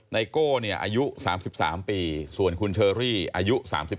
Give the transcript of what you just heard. ไโก้อายุ๓๓ปีส่วนคุณเชอรี่อายุ๓๓